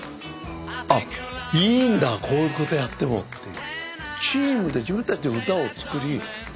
「あっいいんだこういう事やっても」っていう。